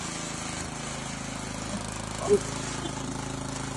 Lungdong in kan um ding a si lo.